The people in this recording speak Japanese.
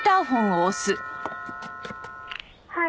「はい」